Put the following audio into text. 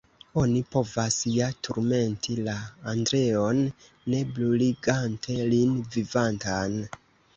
Oni povas ja turmenti la Andreon, ne bruligante lin vivantan.